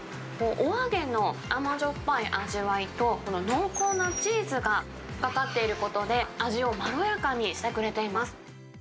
おあげの甘じょっぱい味わいと、この濃厚なチーズがかかっていることで、味をまろやかにしてくれています。